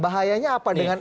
bahayanya apa dengan